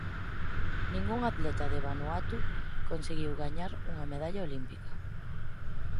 Ningún atleta de Vanuatu conseguiu gañar unha medalla olímpica.